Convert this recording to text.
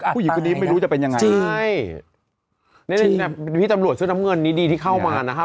ผู้หญิงคนนี้ไม่รู้จะเป็นยังไงใช่นี่พี่ตำรวจเสื้อน้ำเงินนี้ดีที่เข้ามานะครับ